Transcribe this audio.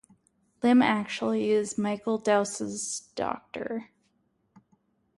Lim actually is Michael Dowse's doctor.